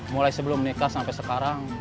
mulai sebelum nikah sampai sekarang